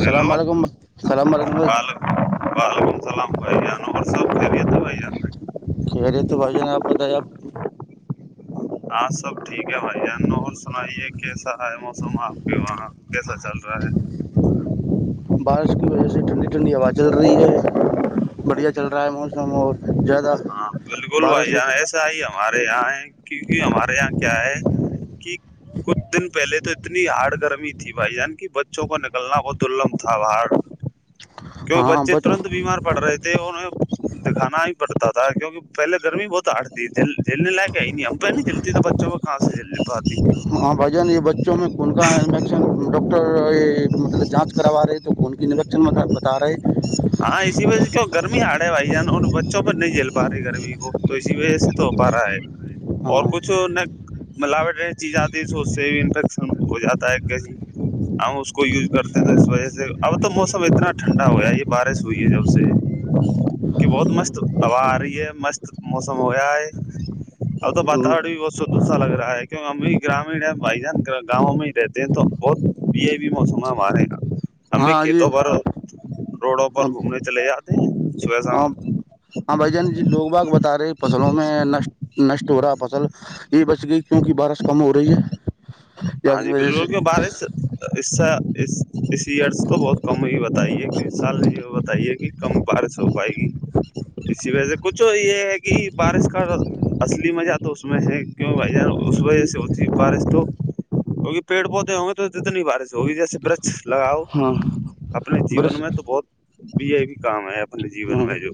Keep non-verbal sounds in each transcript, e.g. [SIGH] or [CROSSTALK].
hello علیکمھ السلام علیکم بھائی وعل وعلیکم السلام ن سبت کہہ رہے تو بھائی ج نے آپ بتائی آپ آج سب ٹھیک ہے بھان ن سنائیے کیسا ہے موسم آپ کے وہاں کیسا چل رہا ہے بارش کی وجہ سے ٹھنڈی ٹھنڈی ہوا چل رہی ہے بڑھیا چل رہا ہے موسم اور زیادہ ہاں بالکل بھائی بارش ہو جان ایسا ہی ہمارے یہاں ہے کیونکہ ہمارے یہاں کیا ہے کہ کچھ دن پہلے تو اتنی ہارڑڈ گرمی تھی بھائی جان کی بچوں کو نکلنا بہت دلمھ تھا باڑ تو کی بچے ترنت بیمار پڑ رہے تھے انہیں دکھانا ہی پڑتا تھا کیونکہ پہلے گرمی بہت آٹتی ت ج جلنے لائق آئی نہیں ابہ نہیں جلتی تو بچوں کو کہاں سے جل نہیں پاتی ہاں بھ جان یہ بچوں میں کن کاا انفیکشن ڈاکٹر مطلب جانچ کروا رہے تو کون کے نریشن مطب بتا رہے ہیں ہاں اسی وجہ سے کیوں گرمی آ رہ ہے بھائی جان ان بچوں پہ نہیں جل پا گرمی کو تو اسی وجہ سے تو ہو پا رہا ہے اور ہاں کچھ ن ملاوٹ یہ چیز آتی سوچتے بھی انفیکشن ہو جاتا ہے ایکسی ہم اس کو یوز کرتے تھے اس وجہ سے اب تو موسم اتنا ٹھنڈا ہو ہے یہ بارش ہوئی ہے جب سے کہ بہت مست ہوا آ رہی ہے مست موسم ہو گیا ہے اب تو واتاورر بھی بہت دوسرا لگ رہا ہے کی ہم بھی گرامیین ہے بھائی جان گاؤں میں کہتے ہیں تو بہت پ بھی موسم مارے گا ہمیں ہاں جی کھیتوں پر روڈوں پر گھومنے چلے جاتے ہیں صبح شام ہاں بھائی جان جی لوگ باگ بتا رہے فصلوں میں ن نشٹ ہو رہا فصل یہ بچ گئی کیونکہ بارہ س کم ہو رہی ہے یا ہاں کی جی وجہ بالکل سے کی بارش اس اسی ارس کو بہت کم ہو بتائیے کہ سال بتائیے کہ کم بارہ سو ہو پائے گی اسی وجہ سے کچھ یہ ہے کہ بارش کا اصلی مزہ تو اس میں ہے کیوں بھائی اس وجہ سے ہوتی بارش تو کیک پیڑ پودے ہ گے تو جتنی بارش ہوگیسے ک لگاؤ ہاں اپنے جیون برس میں تو بہت بھی یہ بھی کام ہے اپ جین میں جو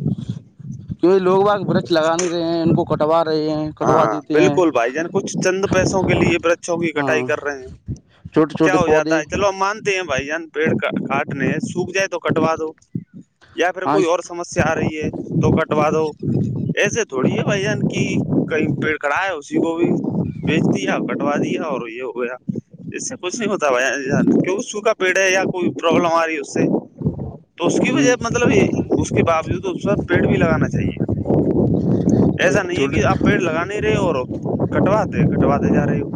کی لوگ باگ برچ لگا نہیں رہے ہیں ان کو کٹوا رہے ہیں کٹوا ہاں دیتے ہیں بالکل بھائی جان کچھ چند پیسوں کے لیے ورچوں کی کٹائی ہاں کر رہے ہیں چھوٹے کیا چھوٹے ہو جاتا پودے ہے چلو مان ہیں بھائی جان پیڑ کاٹنے سوکھ جائے تو کٹوا دو یا پھر ہاں کوئی اور سمس سے آ رہی ہے تو کٹوا دو ایسے تھوڑی ہے بھ جن کہ کئی پیڑ کراائے اسی کو بھی بیج دیا ا دیا اور یہ ہو گیا اس سے کچھ نہیں ہوتا سا پیڑ ہے یا کوئی پرابلم آ رہی ہے اس سے تو اس کی وجہ مطلب یہ اس اس کے باوجود اس پر پیڑ بھی لگانا چاہیے ایسا نہیں ہے کہ آپ چھوٹے پیڑ لگا نہیں رہے اور کٹواتے کٹواتے جا رہے ہو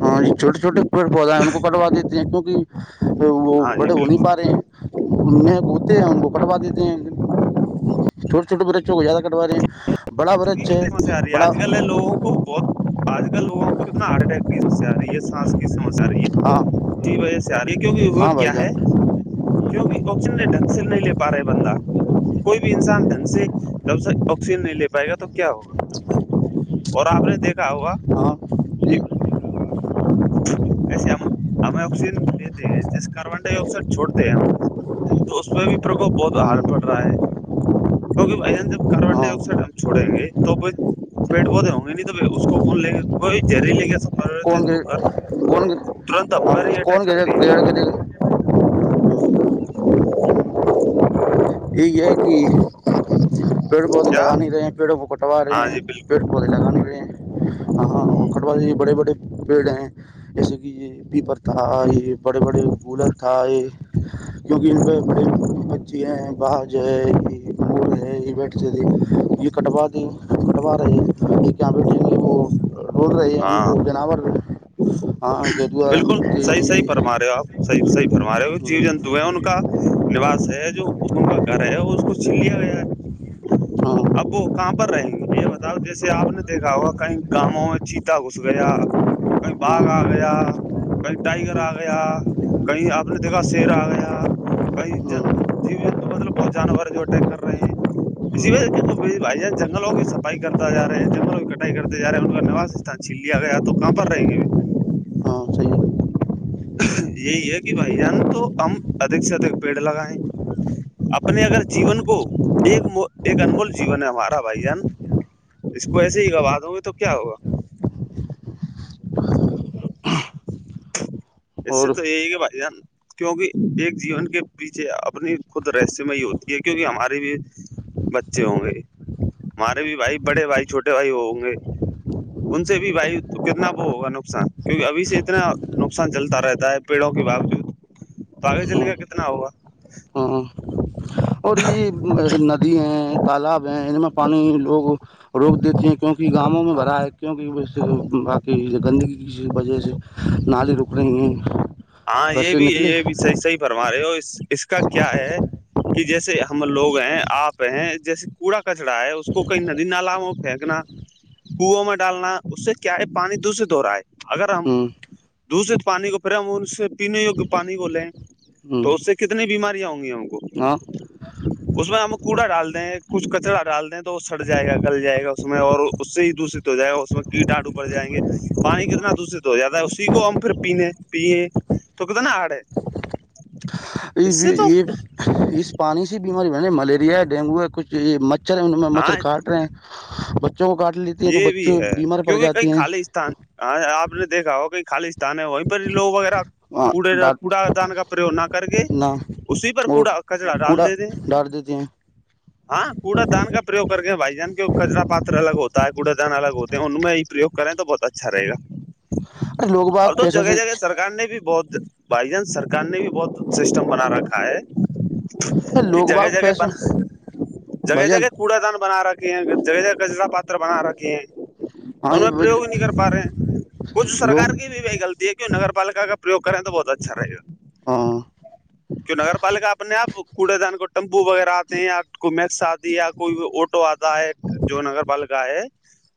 ہاں یہ چھوٹے چھوٹے پیڑ پودے ہیں ان کو کٹوا دیتے ہیں کیونکہ وہ ہاں جی بڑے ہو نہیں بالکل پا رہے ہیں ان کو ہوتے ہیں ان کو کٹوا دیتے ہیں چھوٹے چھوٹے ب بچوں کو زیادہ کٹوا رہے ہیں بڑا ک کی برچ ہے کتنی سسیا آ رہی ہے بڑا آج کل لوگوں کو تو آج کل لوگوں کو کتنا ہارٹ اٹیک کی سیا ہے یہ سانس کی سمچ ہاں رہی وجہ سے آ رہی ہے کیونکہ وہ ہاں بھائی کیا ہے جان کیونکہ آکشن ڈھنگ سے نہیں لے پا رہے بندہ کوئی بھی انسان ڈھنگ سے جب سے آکشن سے پائے گا تو کیا ہوگا اور آپ نے دیکھا ہوگا ہاں کہ جی [INAUDIBLE] سے ہمیں آکسیجن لیتے ہیں جیسے کاربن ڈائی آکسائڈ چھوڑتے ہیں ہم تو اس پہ بھی پرکوپ بہت آار پڑ رہا ہے کیکہ جب کاربن ہاں ڈائی آکسائڈ چھوڑیں گے تو پیڑ وہ دے ہوں گے نہیں تو اس کوون لیں گے بری لے گ پرتے کون ہووکر کون ترت ا ہاں ہی اٹیک کون گڑ کرتے گڑ کرے گا ہاں یہ یہ کہ پیڑ پودے کیا لگا نہیں رہے ہیں پیڑوں کو کٹوا رہے ہاں ہیں جی پیڑ بالکل پودے لگان میں کٹوا بڑے بڑے پیڑ ہیں جیسے کہ یہ پیپر تھا یہ بڑے بڑے کولر تھا یہ کیونکہ ان پہ بڑے بچے ہیں باہر جو ہے ہے ایٹ ت یہ کٹوا تھی کٹوا رہے ہیں کہ کیا بیٹے وہ ڈول رہے ہیں ان ہاں کو جانور ہاں گیدوا کتی ہوئی مارے ہو آپ صح فھرما رہے ہو جیو جنتو ہیں ان کا نوس ہے جو کا گ ہے اس کو چن لیا گیا ہاں اب وہ کہاں پر رہیں گے یہ بتاؤ جیسے آپ نے دیکھا ہوگا کہیں گاؤوں میں چیتا گھس گیا کئی ہاں باغ آ گیا کئی ٹائگر ہاں آ گیا کہیں آپ نے دیکھا شیر آ گیا بئی ج ہاں جی مطلب بہت جانور جو ٹ کر رہے ہیں اسی ہاں وجہ کی بھائی ج جن جنگلوں کی صفائی کرتا ج رہا ہے جنگلوں کی کٹائی کرتے ج رہے ہیں ان کا نواس استان چھیل لیا گیا تو کہاں پر رہیں گے ہاں صحیح یہی ہے کہ بھائی جان تو ہم ادھک سے ادھک پیڑ لگائے اپنے اگر جیون کو ایک ایک انمول جیون ہے ہمارا بھائی جان اس کو ایسے ہی گواہ ہو گی تو کیا ہوگا ج [UNINTELLIGIBLE] اور اسسے تو یہی کہ بائی جان کیوںکہ ایک جیون کے پیچھے اپنی خود رہسم ہی ہوتی ہے کیونکہ ہماراری بھی بچے ہوں گے ہمارے بھی بھائی بڑے بھائی چھوٹے بھائی ہوں گے ان سے بھی بھائی کتنا وہ ہوگا نقصان کیونکہ ابھی سے اتنا نقصان چلتا رہتا ہے پیڑوں کے باوجود تو آگے چلے ہاں گا کتنا ہوگا ہاں اور یہد ندی ہیں تالاب ہیں ان میں پانی لوگ روک دیتی ہیں کیونکہ گاؤوں میں بھرا ہے کیونکہ سے باقی گندگی کی وجہ سے نالی روپ رہ ہیں ہاں گھر یہ سے بھی نکلے یہ بھی صحیح صحیح فرما رہے ہو اس کا کیا ہے کہ جیسے ہم لوگ ہیں آپ ہیں جیسے کوڑا کچڑا ہے اس کو کہئی ندی نالا میں پھینکنا کنو میں ڈالنا اس سے کیا ہے پانی دشت ہو رہا ہے اگر ہم ہوں دشت پانی کو پھرے ہم ان سے پینے پانی کو لیں ہوں تو اس سے کتنی بیماریاں ہوں گی ہم کو ہاں [UNINTELLIGIBLE] اس میں ہم کوڑا ڈال دیں کچھ کچرا ڈال دیں تو وہ سڑٹ جائے گا کل جائے گا اس میں اور اس سے ہی دوسے ہو جائے گا اس میں کیٹاٹو پڑ جائیں گے پانی کتنا دشت ہو جاتا ہے اسی کو ہم پھر پینے پییں تو ک تو نا آڑے یہ اس پانی سی بیماری ب ملیریا ڈینگو ہے کچھ یہ مچ مچھر ہے ان میں مچھر کاٹ ہاں رہے ہیں بچوں کو کاٹ لیتے ہیں تو بچوں بیمار پڑ جاتی ہیں پاکستان [UNINTELLIGIBLE] ہاں آپ نے دیکھا ہو کہئی خالی تان وہیں پ لو وغیرہ کوڑے ڈانٹنا کوڑا دان کا پرریو نہ کر کے اسی پر اور کوڑا کچرا ڈال کوڑا دے دے ڈال دیتے ہیں ہاں کوڑا دان کا پریوگ کر کے بھائی جان کے کچرا پاتر الگ ہوتا تائے کوڑا دان الگ ہوتے ہیں ان میں یہ پریوگ کریں تو بہت اچھا رہےا ارے لوگ باغ اور تو پیسوں جگہ جگہ سے ارے سرک نے بھی بہت بائی جانس سرار نے بھی بہت سسٹم بنا رکھا ہے کہ لوگ جگہ باغ جگہ پیسوں بنا جگہ جگہ بھجن کوڑا دان بنا رہا جگہ جہ کچرا پتر بنا رکھے ہیں ہاں ان میں یہ پریوگ نہیں کر پا رہے ہیں کچھ لوگ سرار کی بھی بائی غطی ہے کہ نگر پالکا کا پریگ کریں تو بہت اچھا رہ گا ہ [UNINTELLIGIBLE] کی نگر پالکا اپنے آپ کوڑے دان کو ٹیمپو وغیرہ آتے ہیں یا کوئی مکس آتی ہے یا کوئی آٹو آتا ہے جو نگر پالکا ہے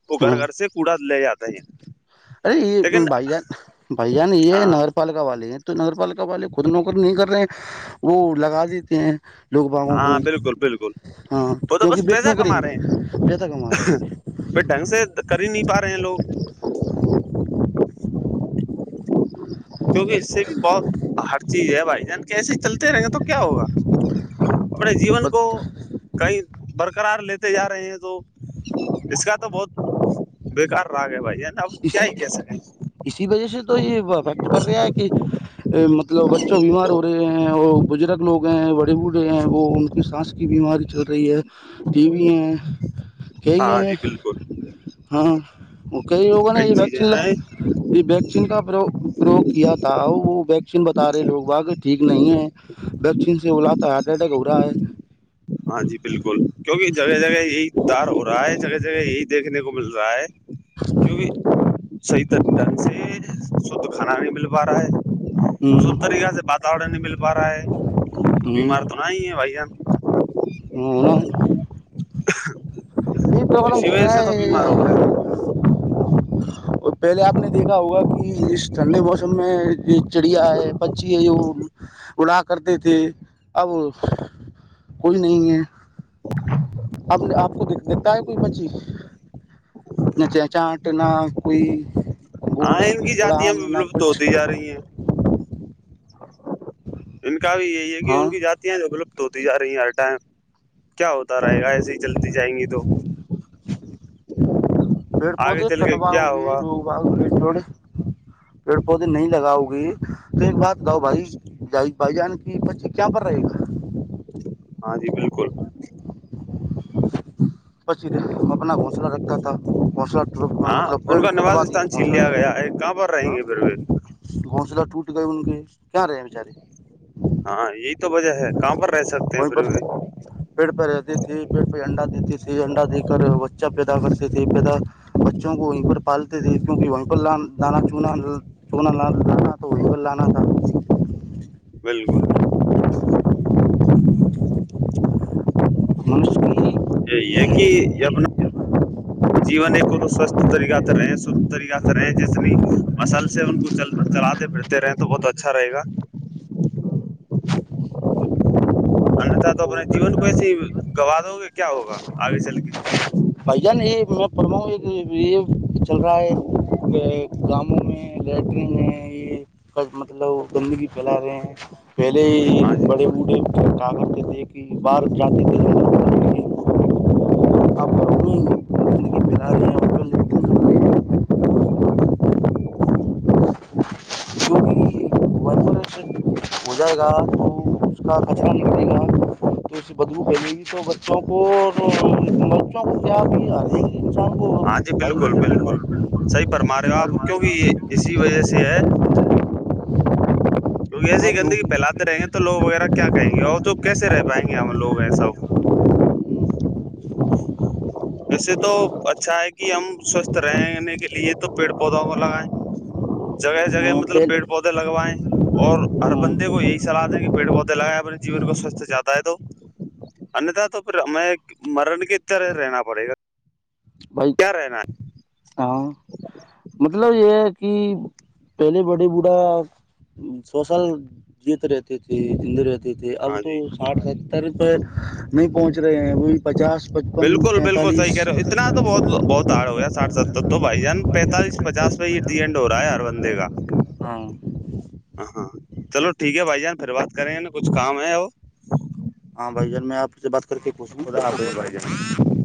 وہ ہاں گھر گھر سے کوڑا لے جاتا ہے ہیں ارے یہ لیکن بھیاان بھیاان ہاں یہ پالکا والے ہیں تو نگر پالکا والے خود نوکر نہیں کر رہے وہ لگا دیتے ہیں لوگ باگوں ہاں کو بالکل بالکل ہاں وہ تو کیونکہ بس ب پیسہ کیوں کریں کما رہے ہیں گے پتا کما رہیں پھر ڈھنگ سے کر ہی نہیں پا رہے ہیں لوگ کیونکہ اس سے بھی بہت ہر چیز ہے بھائی جان کیسے چلتے رہیں گے تو کیا ہوگا اپڑ جیون بس کو کئی برقرار لیتے جا رہے ہیں تو اس کا تو بہت بےیکار راگ ہے بھائی ہے نا اب کیا اسی ہی کہہ سکیں اسی وجہ سے تو یہ افیکٹ پڑ رہا ہے کہ مطلب بچوں بیمار ہو رہے ہیں اور بزرگ لوگ ہیں بڑے بوڑھے ہیں وہ ان کی سانس کی بیماری چل رہی ہے ٹی بھیی ہیں کئی ہاں ہیں جی بالکل ہاں لوگوں کئی نے یہ چیزیں ویکسین ل ہیں یہ ویکسین کا پریوگ کیا تھا وہ ویکسین بتا رہے لوگ واق ٹھیک نہیں ہے ویکسین سے بلااتتا ہارٹ اٹیک ہو رہا ہے ہاں جی بالکل کیونکہ جگہ جگہ یہی تار ہو رہا ہے جگہ جگہ یہی دیکھنے کو مل رہا ہے کیونکہ صحی ط ڈ سے شھ کھانا نہیں مل پا رہا ہے سب طریقہ سے واتورن نہیں مل پا رہا ہے تو بیمار تو نہ ہی ہے بھائیان ہ ا یہ پرابلم اسی چل وجہ رہا سے تو ہے بیمار ہو رہے ہیں اور پہلے آپ نے دیکھا ہوگا کہ اس ٹھنڈے موسم میں یہ چڑیا ہے پچی اڑا کرتے تھے اب کوئی نہیں ہے آب نے آپ کو د دیتا ہے کوئی پچ نہ چ چاٹ نہ کوئی وہ ہاں ان کی جاتیاں اڑان بھی نہ ولپت کچھ ہوتی جا رہی ہیں ان کا بھی یہی ہے کہ ہاں ان کی جتیاں جولپت ہوتی جا رہی ہیں ہر ٹائم کیا ہوتا رہے گا ایسے ہی چلتی جائیں گی تو بیڑ بہود آگے چل کے کنبا کیا ہوگی ہوگا نگ ڑ پیڑ پودے نہیں لگاؤ گی تو ایک بات گاؤ بھائی ج بھائی جان کی بچے کیا پر رہے گا ہاں جی بالکل پ اپنا گھونسلہ رکھتا تھا گھونسلہ ہاں مطلب پیڑ کٹوا دی تو گھونسلہ تھا اں پر رہیں گے پھر بھیھر گن س ٹور کن کے کیا رہے ہیں بچارے ہاں یہی تو وجہ ہے کہاں پر رہ سکتے ہیں وہیں پھر پر بھی پیڑ پہ رہتی تھی پیڑ پہ انڈا دیتی تھی انڈا دے کر بچہ پیدا کرتی تھی پیدا بچوں کو وہیں پر پالتے تھے کیونکہ وہیں پرانا سنا ل لا تو وہی پر لانا تھا بالکل منوس کو ہی یہ کہ یہ ج جی ایک کو تو سوستھ طریق سے رہے شھ طریق سے رہے جسنی مسل سے ان کو چل چلاتے پھرتے رہے تو بہت اچھا رہے گا ہاں انیہتا تو اپنے جیون کو ایسے ہی گوا دوؤ گے کیا ہوگا آگے چل کے بھائی جان یہ میں پڑھوا ہوں یہ یہ چل رہا ہے کاموں میں لیٹرین ہے یہ مطلب گندگی پھیلا رہے ہیں پہلے ہی ہاں جی بڑے بوڑھے کاا کرتے تھے کہ باہر جاتے تھے اپر ان ان پیرا د کیونکہ ونف الیکٹرک ہو جائے گا تو اس کا کچ کرے گا تو اس بدبو پہے گی تو بچوں کو اور بچوں کو کیا بھی آ رہے گ انسان کو ہاں جی بالکل بھائیار بیمار بالکل صحیح فرما رہے ہو آپ کیونکہ یہ اسی وجہ سے ہے کیونک ایے ہی بیماری ہوگی گندگیھیاتے رہیں گے تو لوگ وغیرہ کیا کہیں گے اور تو کیسے رہ پائیں گے ہم لوگ ہیں سب ویسے تو اچھا ہے کہ ہم سوستھ رہنے کے لیے تو پیڑ پودوں کو لگائائےیں ہ جگہ جگہ مطلب پیڑ پودے لگوائےیں اور ہر ہاں بندے کو یہی صلاح دیں کہ پیڑ پودے لگائائے اپنے جیون کو سوستھ جاتا ہے تو انتا تو پھر ہمیں مرن کی طرح رہنا پڑے گا بائی کیا رہنا ہے ہاں مطلب یہ ہے کہ پہلے بڑی بوڑھا سوشل جیت رہتی تھی ہند رہتی تھے اب ہاں تو جی ساٹھ ستتر پ نہیں پہنچ رہے ہیں وہ پچاس پچپن بالکل بالکل صحیح کہہ پینتالیسس رہے ہو اتنا تو بہت بہت ہڑ ہو گیا ساٹھ ستر تو بھائی جان پینتالس پچاس میں یہ ڈ اینڈ ہو رہا ہے ہر بندے کا ہاں ہ ہاں چلو ٹھیک ہے بھائی جان پھر بات کریں گ نا کچھ کام ہے وہ ہاں بھائی جان میں آپ سے بات کر کے خوش ہوں جاں